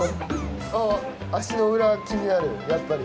あっ足の裏気になるやっぱり。